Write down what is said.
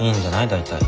大体。